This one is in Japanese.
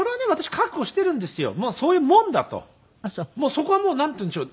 そこはもうなんていうんでしょう。